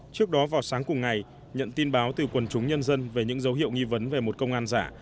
trước đó vào sáng cùng ngày nhận tin báo từ quần chúng nhân dân về những dấu hiệu nghi vấn về một công an giả